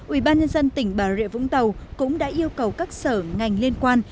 ubnd tỉnh bà rịa vũng tàu cũng đã yêu cầu các sở ngành liên quan